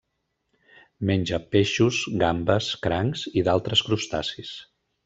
Menja peixos, gambes, crancs i d'altres crustacis.